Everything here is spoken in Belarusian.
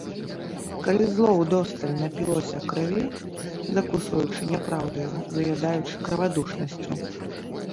Калі зло ўдосталь напілося крыві, закусваючы няпраўдаю, заядаючы крывадушнасцю.